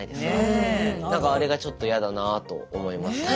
何かあれがちょっと嫌だなあと思いました。